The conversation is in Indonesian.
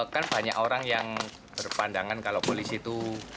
kan banyak orang yang berpandangan kalau polisi itu